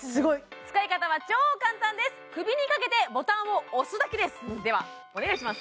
使い方は超簡単です首にかけてボタンを押すだけですではお願いします